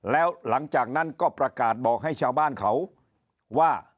แล้วหลังจากนั้นก็ประกาศบอกให้ชาวบ้านเขาว่า